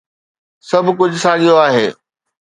سڀ ڪجهه ساڳيو آهي